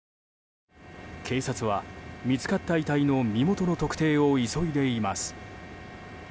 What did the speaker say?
警察は、見つかった遺体の身元の特定を急いでいます。